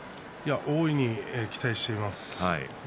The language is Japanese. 大いに期待しています。